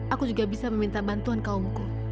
aku juga bisa meminta bantuan kaumku